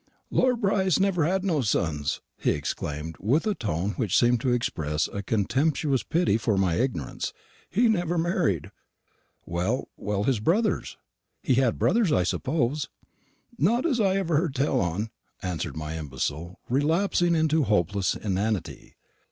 "Lawyer Brice never had no sons," he exclaimed, with a tone which seemed to express a contemptuous pity for my ignorance; "he never married." "Well, well; his brothers. He had brothers, I suppose?" "Not as I ever heard tell on," answered my imbecile, relapsing into hopeless inanity.